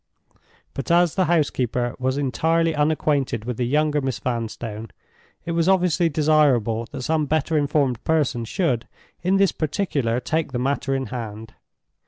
But as the housekeeper was entirely unacquainted with the younger Miss Vanstone, it was obviously desirable that some better informed person should, in this particular, take the matter in hand.